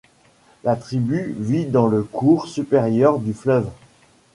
La tribu vit dans le cours supérieur du fleuve.